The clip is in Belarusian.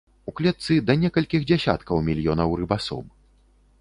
У клетцы да некалькіх дзясяткаў мільёнаў рыбасом.